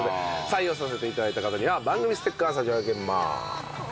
採用させて頂いた方には番組ステッカー差し上げます。